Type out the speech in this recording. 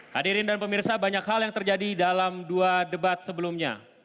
hadirin dan pemirsa banyak hal yang terjadi dalam dua debat sebelumnya